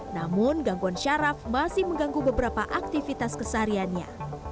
namun gangguan syaraf masih mengganggu beberapa aktivitas kesehariannya